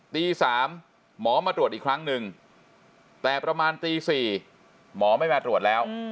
ตี๓หมอมาตรวจอีกครั้งหนึ่งแต่ประมาณตี๔หมอไม่มาตรวจแล้ว